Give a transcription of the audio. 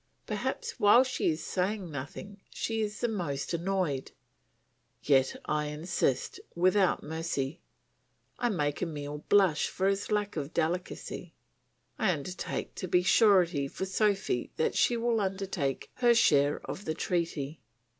Perhaps while she is saying nothing, she is the most annoyed. Yet I insist, without mercy; I make Emile blush for his lack of delicacy; I undertake to be surety for Sophy that she will undertake her share of the treaty.